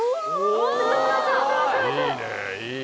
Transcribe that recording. いいねいいね。